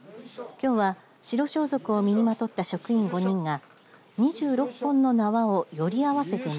きょうは白装束を身にまとった職員５人が２６本の縄をより合わせてね